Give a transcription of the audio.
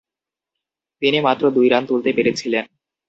তিনি মাত্র দুই রান তুলতে পেরেছিলেন।